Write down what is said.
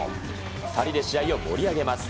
２人で試合を盛り上げます。